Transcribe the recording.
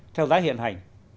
theo giá hiện hành